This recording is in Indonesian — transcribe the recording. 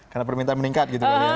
karena permintaan meningkat gitu